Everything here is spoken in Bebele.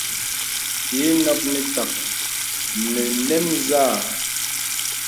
Ìnɔ̄k mìtak mə nɛn zâ.